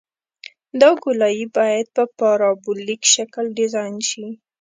دا ګولایي باید په پارابولیک شکل ډیزاین شي